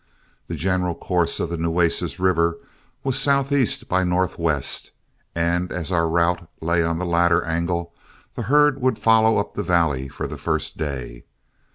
The general course of the Nueces River was southeast by northwest, and as our route lay on the latter angle, the herd would follow up the valley for the first day.